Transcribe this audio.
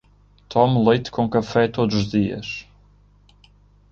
Tomo leite com café todos os dias